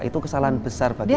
itu kesalahan besar bagi kita